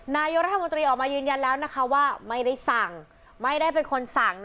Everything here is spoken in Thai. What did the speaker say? นายรัฐมนตรีออกมายืนยันแล้วไม่ได้เป็นคนสั่ง